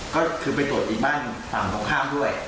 ก็คือไปตรวจอีกบ้านฝั่งตรงข้ามด้วย